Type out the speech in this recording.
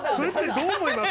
どう思います？